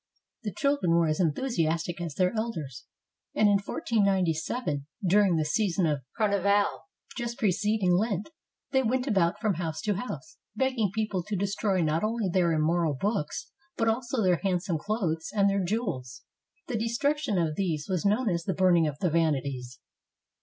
The children were as enthusi astic as their elders, and in 1497, during the season of Car nival just preceding Lent, they went about from house to house, begging people to destroy not only their immoral books, but also their handsome clothes and their jewels. The destruction of these was known as the "Burning of the Vanities."